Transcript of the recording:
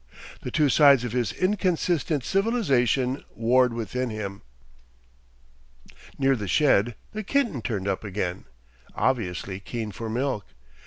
The two sides of his inconsistent civilisation warred within him. Near the shed the kitten turned up again, obviously keen for milk.